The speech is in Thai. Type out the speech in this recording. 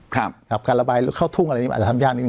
ครับครับการระบายเข้าทุ่งอะไรอย่างนี้อาจจะทำยากนิดหนึ่ง